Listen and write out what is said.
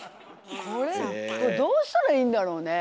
これどうしたらいいんだろうね？